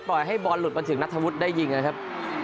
ปล่อยให้บอลลุดไปถึงนัทธวุธมันได้ยิงนะครับ